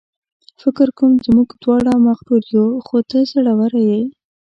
فکر کوم چې موږ دواړه مغرور یو، خو ته زړوره یې.